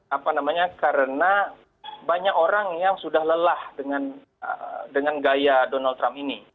apa namanya karena banyak orang yang sudah lelah dengan gaya donald trump ini